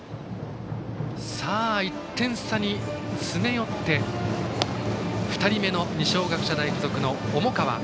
さあ、１点差に詰め寄って２人目の二松学舎大付属の重川。